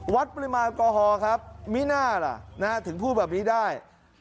วัดปริมาณแอลกอฮอล์ครับมิน่าล่ะถึงพูดแบบนี้ได้